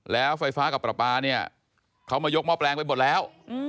แล้วไฟฟ้ากับปลาเขามายกหม้อแปลงไปหมดแล้ว